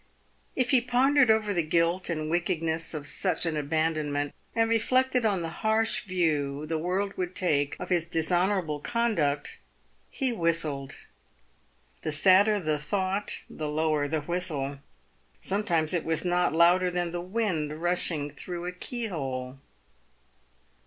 If he pondered over the guilt and wickedness of such an abandonment, and reflected on the harsh view the world w r ould take of his dishonourable conduct, he whistled. The sadder the thought, the lower the whistle. Sometimes it was not louder than the wind rushing through a keyhole.